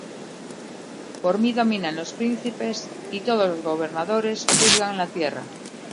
Por mí dominan los príncipes, Y todos los gobernadores juzgan la tierra.